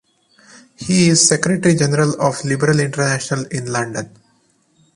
He is secretary-general of Liberal International in London.